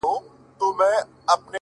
مرگ دی که ژوند دی-